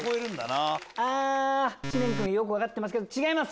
知念君よく分かってますけど違います